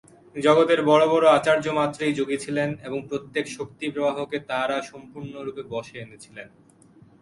জগতের বড় বড় আচার্যমাত্রেই যোগী ছিলেন এবং প্রত্যেক শক্তিপ্রবাহকে তাঁরা সম্পূর্ণরূপে বশে এনেছিলেন।